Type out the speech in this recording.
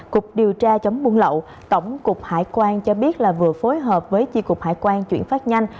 cục điều tra chống buôn lậu tổng cục hải quan cho biết là vừa phối hợp với chi cục hải quan chuyển phát nhanh